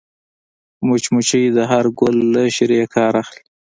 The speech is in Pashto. مچمچۍ د هر ګل له شيرې کار اخلي